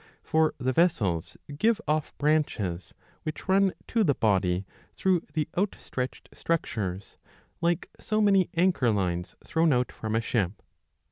For the vessels give off branches which run to the body through the out stretched structures,^ like so many anchor lines thrown out from a ship.